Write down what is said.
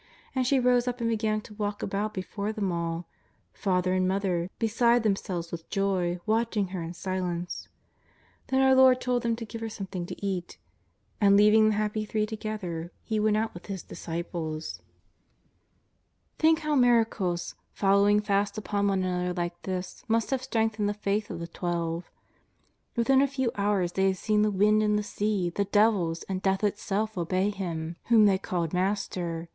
And she rose up and began to walk about be fore them all ; father and mother, beside themselves with joy, watching her in silence. Then our Lord told them to give her something to eat. And, leaving the happy three together, He went out with His disci ples. Think how miracles, following fast upon one another like this, must have strengthened the faith of the Twelve. Within a few hours they had seen the wind and the sea, the devils, and death itself obey Him whom JESUS OF N^AZARETH. 231 the J called " Master."